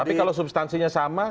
tapi kalau substansinya sama